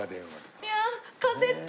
いやカセット！